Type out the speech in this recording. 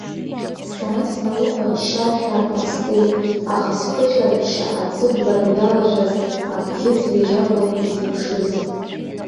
Сара сналыхәаччашәа ҟасҵеит, аха сԥышәырчча аӡыблара иалашәаз абӷьыц ҩежь акәын изеиԥшыз.